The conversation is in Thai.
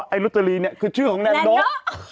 อ๋อไอ้นุฏจารีนี่คือชื่อของแนนโนะ